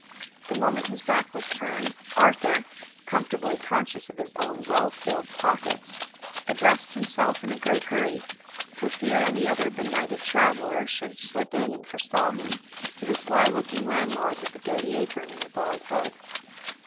The moment his back was turned, Arthur, comfortably conscious of his own well filled pockets, addressed himself in a great hurry, for fear any other benighted traveler should slip in and forestall him, to the sly looking landlord with the dirty apron and the bald head.